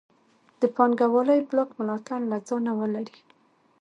د پانګوالۍ بلاک ملاتړ له ځانه ولري.